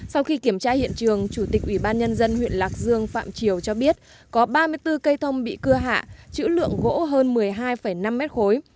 sau khi kiểm tra hiện trường chủ tịch ủy ban nhân dân huyện lạc dương phạm triều cho biết có ba mươi bốn cây thông bị cưa hạ chữ lượng gỗ hơn một mươi hai năm mét khối